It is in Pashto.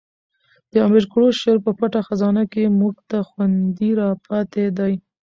د امیر کروړ شعر په پټه خزانه کښي موږ ته خوندي را پاته دئ.